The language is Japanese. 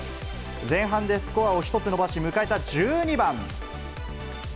前半でスコアを１つ伸ばし、迎えた１２番。